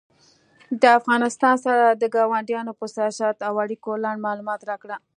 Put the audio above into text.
د افغانستان سره د کاونډیانو په سیاست او اړیکو لنډ معلومات راکړه